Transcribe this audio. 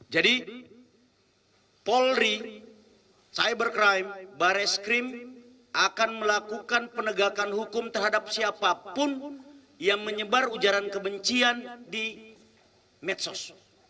jadi polri cybercrime barreskrim akan melakukan penegakan hukum terhadap siapapun yang menyebar ujaran kebencian di medsos